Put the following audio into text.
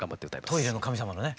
「トイレの神様」のね。